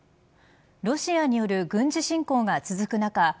ロシアによる軍事侵攻が続く中